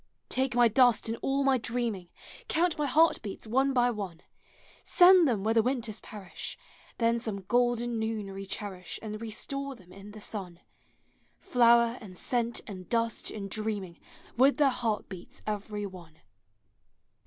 Take my dust and all my dreaming, • Count my heart beats one by one, Send them where the winters perish; Then some golden noon recherish And restore them in the sun. Flower and scent and dust and dreaming, With their heart beats every one!